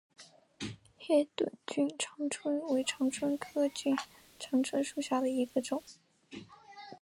黑盾梭长蝽为长蝽科梭长蝽属下的一个种。